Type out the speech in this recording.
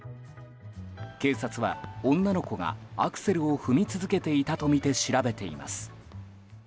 警察は、女の子がアクセルを踏み続けていたとみて調べています。